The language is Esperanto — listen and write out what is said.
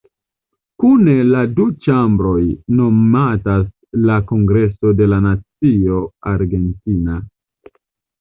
Kune la du ĉambroj nomatas la "Kongreso de la Nacio Argentina".